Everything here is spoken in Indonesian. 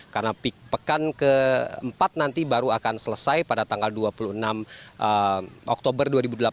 karena pekan keempat nanti baru akan selesai pada tanggal dua puluh enam oktober dua ribu delapan belas